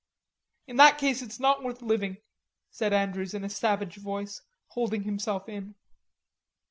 "In that case it's not worth living," said Andrews in a savage voice, holding himself in.